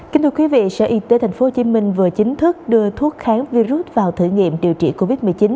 kính thưa quý vị sở y tế tp hcm vừa chính thức đưa thuốc kháng virus vào thử nghiệm điều trị covid một mươi chín